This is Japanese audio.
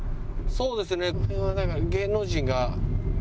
そうですよね。